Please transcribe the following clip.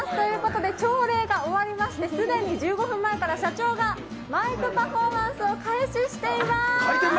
朝礼が終わってすでに１５分前から社長がマイクパフォーマンスを開始しています。